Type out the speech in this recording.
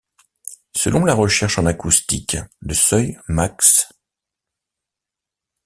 Selon la recherche en acoustique, le seuil max.